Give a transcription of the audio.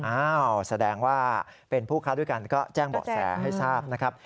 อ้าวแสดงว่าเป็นผู้ค้าด้วยกันก็แจ้งเบาะแสให้ทราบนะครับ